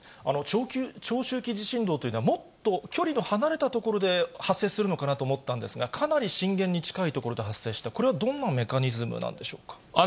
長周期地震動というのはもっと距離の離れた所で発生するのかなと思ったんですが、かなり震源に近い所で発生した、これはどんなメカニズムなんでしょうか？